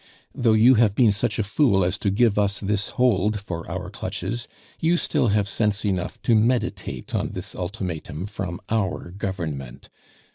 "Though you have been such a fool as give us this hold for our clutches, you still have sense enough to meditate on this ultimatum from our government.